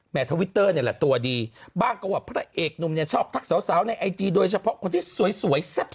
ทวิตเตอร์นี่แหละตัวดีบ้างก็ว่าพระเอกหนุ่มเนี่ยชอบทักสาวในไอจีโดยเฉพาะคนที่สวยแซ่บ